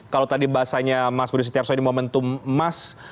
kalau tadi bahasanya mas budi siterso di momentum emas